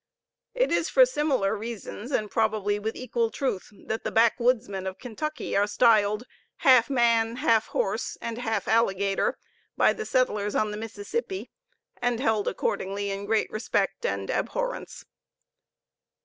It is for similar reasons, and probably with equal truth, that the backwoodsmen of Kentucky are styled half man, half horse, and half alligator by the settlers on the Mississippi, and held accordingly in great respect and abhorrence.